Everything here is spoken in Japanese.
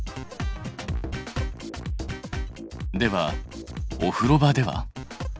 ではお風呂場では？